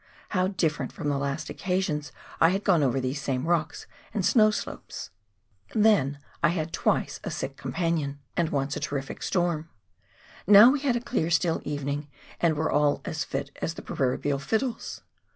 How different from the last occasions I had gone over these same rocks and snow slopes !— then I had twice a sick companion, and once A PASS TO THE HERMITAGE. 277 a terrific storm — now we had a clear still evening and were all as fit as the proverbial fiddles.